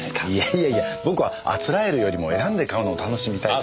いやいや僕はあつらえるよりも選んで買うのを楽しみたい。